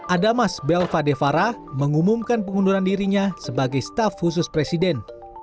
adamas belva de farah mengumumkan pengunduran dirinya sebagai staff khusus presiden